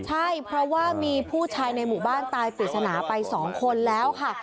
ใช่เพราะว่ามีผู้ชายในหมู่บ้านตายปริศนาไป๒คนแล้วค่ะ